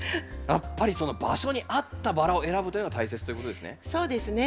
やっぱりその場所に合ったバラを選ぶというのが大切ということですね。